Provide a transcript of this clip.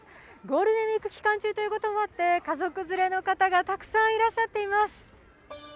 ゴールデンウイーク期間中ということもあって家族連れの方がたくさんいらっしゃっています。